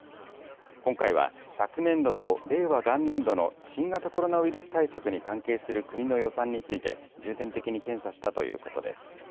今回は昨年度と令和元年度の新型コロナウイルス対策に関係する国の予算について、重点的に検査したということです。